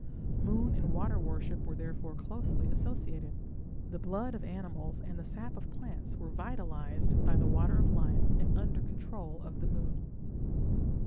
Moon and water worship were therefore closely associated; the blood of animals and the sap of plants were vitalized by the water of life and under control of the moon.